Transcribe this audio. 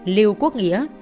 liêu quốc nghĩa